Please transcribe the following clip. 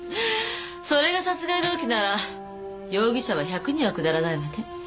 それが殺害動機なら容疑者は百人はくだらないわね。